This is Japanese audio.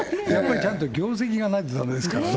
ちゃんと業績がないとだめですからね。